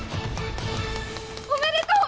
おめでとう！